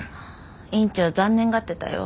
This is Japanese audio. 院長残念がってたよ。